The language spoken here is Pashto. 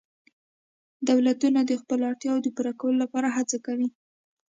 دولتونه د خپلو اړتیاوو د پوره کولو لپاره هڅه کوي